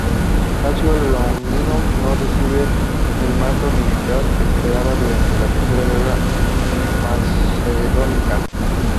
Casio Longino no recibió el mando militar que esperaba durante la tercera guerra macedónica.